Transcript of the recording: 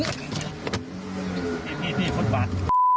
พี่พี่พี่พ่นป่าน